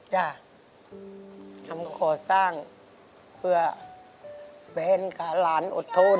ย่าทำก่อสร้างเพื่อแบนกับหลานอดทน